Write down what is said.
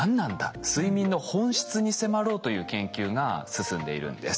睡眠の本質に迫ろうという研究が進んでいるんです。